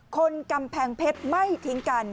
คนกำแพงเพชรไม่ทิ้งกัน